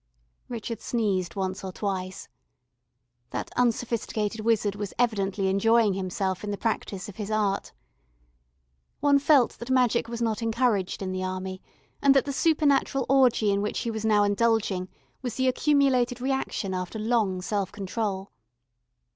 Richard sneezed once or twice. That unsophisticated wizard was evidently enjoying himself in the practice of his art. One felt that magic was not encouraged in the Army, and that the supernatural orgy in which he was now indulging was the accumulated reaction after long self control.